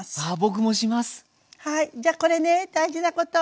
はいじゃこれね大事なこと。